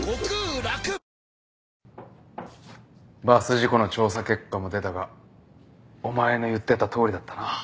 バス事故の調査結果も出たがお前の言ってたとおりだったな。